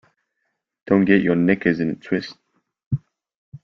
Don't get your knickers in a twist